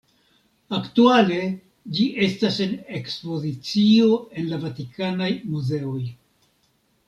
Aktuale ĝi estas en ekspozicio en la Vatikanaj muzeoj.